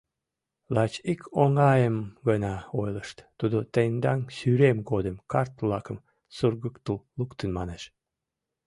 Лач ик оҥайым гына ойлышт: тудо тендан сӱрем годым карт-влакым сургыктыл луктын манеш...